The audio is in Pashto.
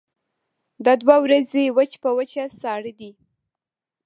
دا دوه ورځې وچ په وچه ساړه دي.